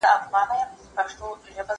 بوټونه پاک کړه